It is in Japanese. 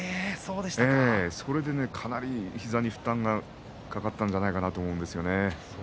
それが、かなり膝に負担がかかったんじゃないかと思います。